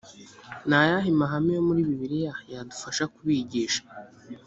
ni ayahe mahame yo muri bibiliya yadufasha kubigisha